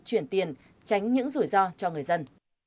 chuyển tiền tránh những rủi ro cho người dân